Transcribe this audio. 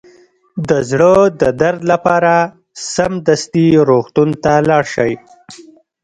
د زړه د درد لپاره سمدستي روغتون ته لاړ شئ